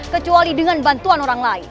kecuali dengan bantuan orang lain